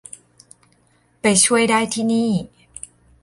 ไปช่วยได้ที่นี่